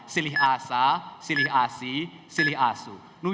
silih asa silih asi silih asu